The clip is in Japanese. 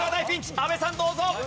阿部さんどうぞ。